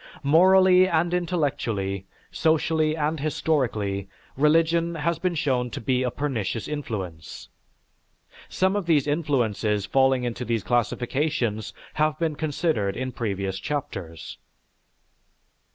Morally and intellectually, socially and historically, religion has been shown to be a pernicious influence. Some of these influences falling into these classifications have been considered in previous chapters.